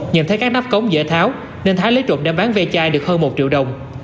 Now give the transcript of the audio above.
nhận thấy các nắp cống dễ tháo nên thái lấy trộm đem bán ve chai được hơn một triệu đồng